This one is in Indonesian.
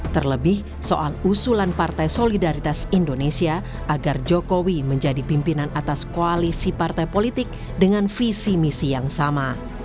terlebih soal usulan partai solidaritas indonesia agar jokowi menjadi pimpinan atas koalisi partai politik dengan visi misi yang sama